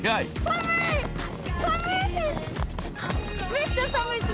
めっちゃ寒い。